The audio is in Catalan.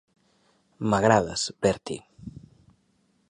M'agrades, Bertie.